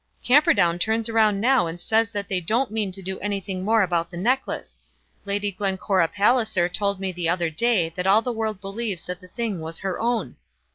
"Camperdown turns round now and says that they don't mean to do anything more about the necklace. Lady Glencora Palliser told me the other day that all the world believes that the thing was her own."